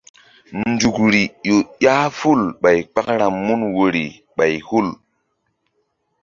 Nzukri ƴo ƴah ful ɓay kpakra mun woyri ɓay hul.